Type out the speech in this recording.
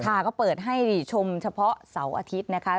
ค่ะก็เปิดให้ชมเฉพาะเสาร์อาทิตย์นะคะ